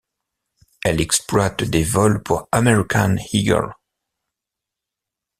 Elle exploite des vols pour American Eagle.